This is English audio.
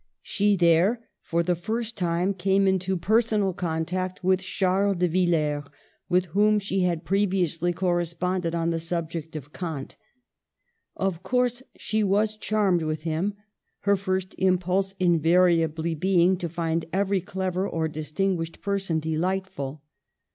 She there, for the first time, came into personal contact with Charles de Villers, with whom she had previously corresponded on the subject of Kant. Of course she was charmed with him, her first impulse invariably being to find every clever or distinguished person delight ful.